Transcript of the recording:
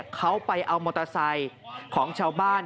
เขาไปเอามอเตอร์ไซค์ของชาวบ้าน